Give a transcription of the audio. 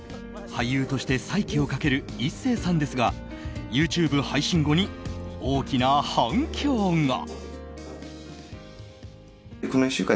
俳優として再起をかける壱成さんですがＹｏｕＴｕｂｅ配信後に大きな反響が。